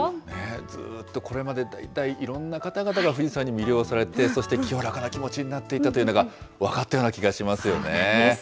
ずっとこれまで、代々、いろんな方々が富士山に魅了されて、そして清らかな気持ちになっていったというのが分かったような気がしますよね。